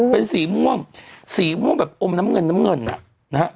เป็นสีม่วงสีม่วงแบบอมน้ำเงินน้ำเงินอ่ะนะฮะ